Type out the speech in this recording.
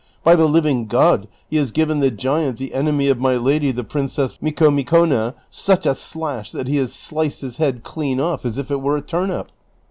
By the living God he has given the giant, the enemy of my lady the Prin cess Micomicona, snch a slash that he has sliced his head clean off as if it were a turnip."